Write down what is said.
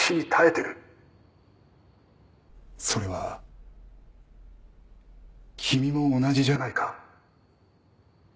それは君も同じじゃないか？